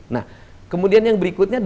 nah kemudian yang berikutnya